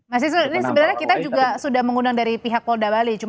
masih sebenarnya kita juga sudah mengundang dari pihak polda bali